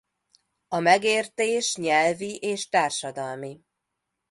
A megértés nyelvi és társadalmi.